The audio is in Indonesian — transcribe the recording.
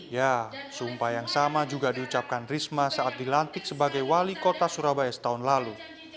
ya sumpah yang sama juga diucapkan risma saat dilantik sebagai wali kota surabaya setahun lalu